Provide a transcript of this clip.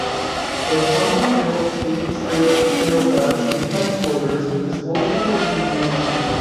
The Tunnel Hill State Trail trail-head and headquarters is located in Vienna.